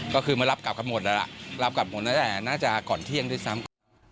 ก็คือมารับกลับกันหมดแล้วล่ะรับกลับหมดตั้งแต่น่าจะก่อนเที่ยงด้วยซ้ำ